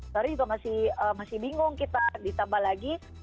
tadi juga masih bingung kita ditambah lagi